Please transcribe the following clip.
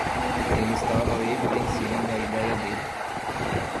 Ele estava evidenciando a idéia dele.